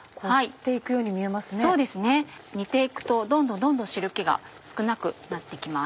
そうですね。煮て行くとどんどんどんどん汁気が少なくなって行きます。